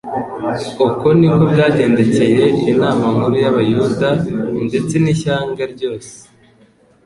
Uko niko byagendekcye inama nkuru y'abayuda, ndetse n'ishyanga ryose.